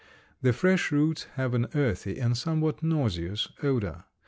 The fresh roots have an earthy and somewhat nauseous odor.